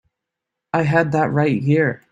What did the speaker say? I had that right here.